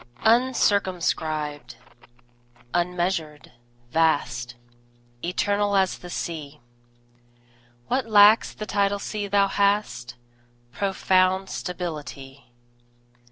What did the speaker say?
UNCIRCUMSCRIBED, unmeasured, vast, Eternal as the Sea; What lacks the tidal sea thou hast Profound stability.